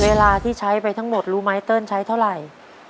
เวลาที่ใช้ไปทั้งหมดรู้ไหมเติ้ลใช้เท่าไหร่